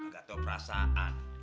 gak tau perasaan